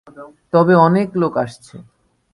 তবে অনেক লোক আসছে।